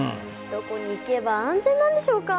どこに行けば安全なんでしょうか。